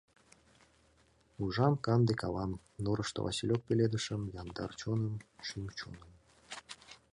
Ужам канде кавам, Нурышто — василёк пеледышым — Яндар чоным, шӱм чоным.